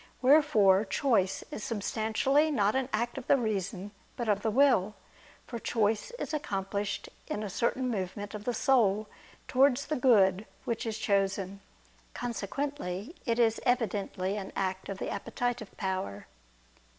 Wherefore choice is substantially not an act of the reason but of the will: for choice is accomplished in a certain movement of the soul towards the good which is chosen. Consequently it is evidently an act of the appetitive power.